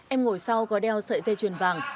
em ngồi sau có đeo sợi dây chuyền vàng